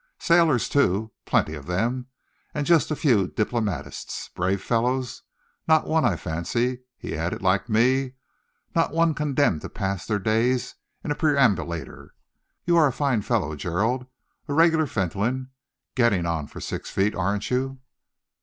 Sailors, too plenty of them and just a few diplomatists. Brave fellows! Not one, I fancy," he added, "like me not one condemned to pass their days in a perambulator. You are a fine fellow, Gerald a regular Fentolin. Getting on for six feet, aren't you?"